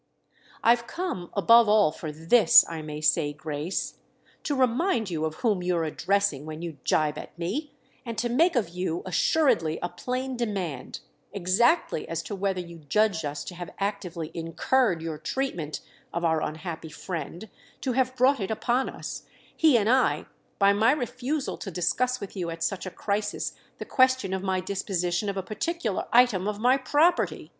"I've come, above all, for this, I may say, Grace: to remind you of whom you're addressing when you jibe at me, and to make of you assuredly a plain demand—exactly as to whether you judged us to have actively incurred your treatment of our unhappy friend, to have brought it upon us, he and I, by my refusal to discuss with you at such a crisis the question of my disposition of a particular item of my property.